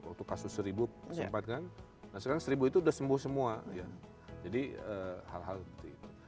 waktu kasus seribu sempat kan nah sekarang seribu itu udah sembuh semua jadi hal hal seperti itu